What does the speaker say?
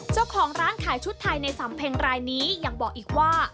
เจ้าของร้านขายชุดไทยในสำเพ็งรายนี้ยังบอกอีกว่า